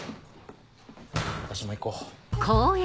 私も行こう。